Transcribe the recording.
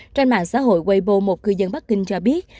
trên mạng xã hội wibo một cư dân bắc kinh cho biết